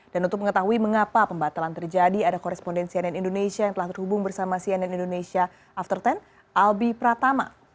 dan untuk mengetahui mengapa pembatalan terjadi ada koresponden cnn indonesia yang telah terhubung bersama cnn indonesia after sepuluh albi pratama